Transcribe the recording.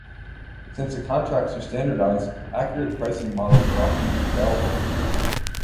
Since the contracts are standardized, accurate pricing models are often available.